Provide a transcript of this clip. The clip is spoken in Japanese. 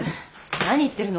何言ってるの？